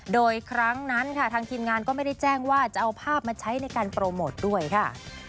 โดยครั้งนั้นค่ะทางทีมงานก็ไม่ได้แจ้งว่าจะเอาภาพมาใช้ในการโปรโมทด้วยค่ะ